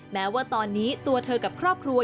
แม้ว่าตอนนี้ตัวเธอกับครอบครัว